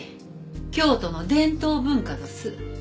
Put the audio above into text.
京都の伝統文化どす。